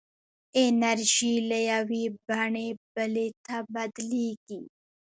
انرژي له یوې بڼې بلې ته بدلېږي.